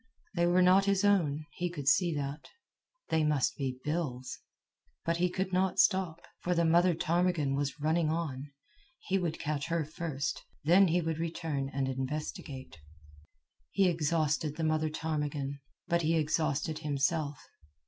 They were not his own he could see that. They must be Bill's. But he could not stop, for the mother ptarmigan was running on. He would catch her first, then he would return and investigate. He exhausted the mother ptarmigan; but he exhausted himself.